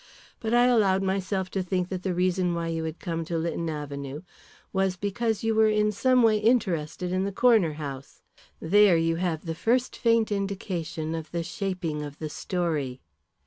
But I allowed myself to think that the reason why you had come to Lytton Avenue was because you were in some way interested in the Corner House. There you have the first faint indication of the shaping of the story.